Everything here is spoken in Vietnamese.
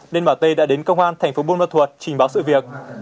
nên bà t đã đến công an thành phố buôn mật thuột trình báo sự việc